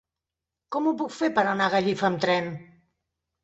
Com ho puc fer per anar a Gallifa amb tren?